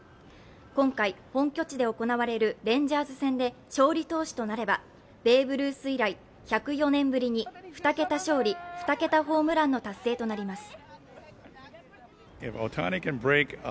今回、本拠地で行われるレンジャーズ戦で勝利投手となれば、ベーブ・ルース以来１０４年ぶりに２桁勝利・２桁ホームランの達成となります。